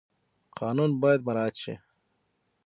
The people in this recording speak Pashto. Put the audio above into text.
قانون باید مراعات شي